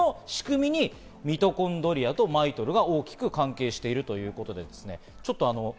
この仕組みにミトコンドリアとＭＩＴＯＬが大きく関係しているということです。